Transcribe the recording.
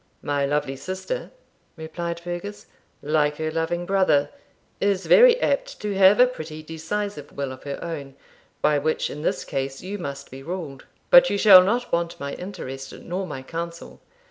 'My lovely sister,' replied Fergus, 'like her loving brother, is very apt to have a pretty decisive will of her own, by which, in this case, you must be ruled; but you shall not want my interest, nor my counsel.